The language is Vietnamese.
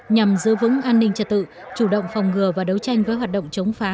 nhằm giữ vững an ninh trật tự chủ động phòng ngừa và đấu tranh với hoạt động chống phá